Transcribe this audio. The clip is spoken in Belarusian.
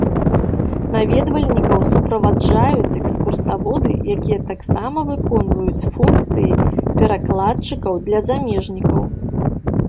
Наведвальнікаў суправаджаюць экскурсаводы, якія таксама выконваюць функцыі перакладчыкаў для замежнікаў.